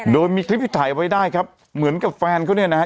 โดยมีคลิปที่ถ่ายไว้ได้ครับเหมือนกับแฟนเขาเนี่ยนะฮะ